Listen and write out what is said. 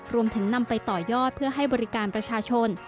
นำไปต่อยอดเพื่อให้บริการประชาชน